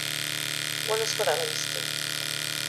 Quan es farà la vista?